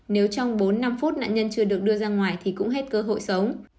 nếu trong bốn năm phút nạn nhân chưa được đưa ra ngoài thì cũng hết cơ hội sống